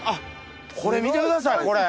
これ見てくださいこれ。